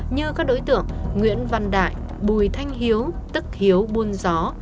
như các đối tượng nguyễn văn đại bùi thanh hiếu tức hiếu buôn gió